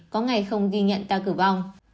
có ngày không ghi nhận ta cử vong